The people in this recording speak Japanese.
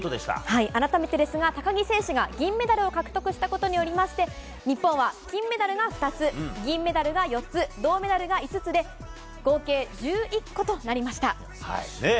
改めて、高木選手が銀メダルを獲得したことによって日本は、金メダルが２つ銀メダルが４つ銅メダルが５つで合計１１個となりました。